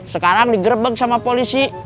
sekarang digrebek sama polisi